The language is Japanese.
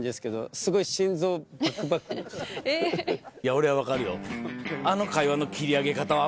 俺は分かるよ。